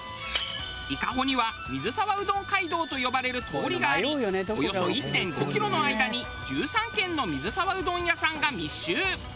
伊香保には水沢うどん街道と呼ばれる通りがありおよそ１．５キロの間に１３軒の水沢うどん屋さんが密集。